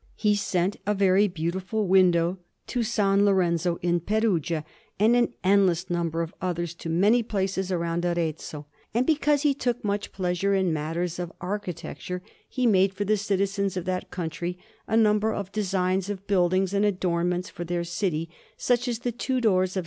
He sent a very beautiful window to S. Lorenzo in Perugia, and an endless number of others to many places round Arezzo. And because he took much pleasure in matters of architecture, he made for the citizens of that country a number of designs of buildings and adornments for their city, such as the two doors of S.